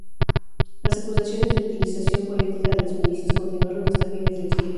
Las acusaciones de utilización política de las milicias continuaron hasta fines del siglo.